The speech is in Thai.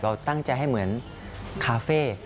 เราตั้งใจให้เหมือนคาเฟ่